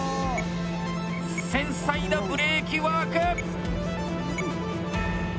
繊細なブレーキワーク！